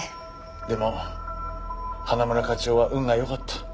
でも花村課長は運が良かった。